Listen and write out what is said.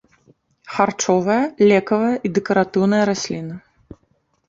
Харчовая, лекавая і дэкаратыўная расліна.